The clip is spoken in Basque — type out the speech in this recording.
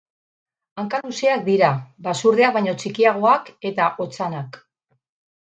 Hankaluzeak dira, basurdeak baino txikiagoak eta otzanak.